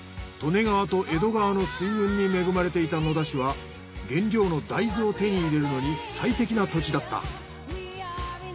利根川と江戸川の水運に恵まれていた野田市は原料の大豆を手に入れるのに最適な土地だった。